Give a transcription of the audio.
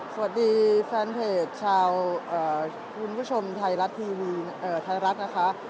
สวัสดีแฟนเพจชาวคุณผู้ชมไทยรัฐทีวีไทยรัฐนะคะ